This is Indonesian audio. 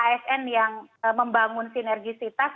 ksn yang membangun sinergisitas